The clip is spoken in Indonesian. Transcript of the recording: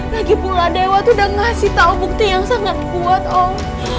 lagi pula dewa tuh udah ngasih tau bukti yang sangat kuat om